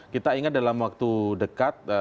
kita ingat dalam waktu dekat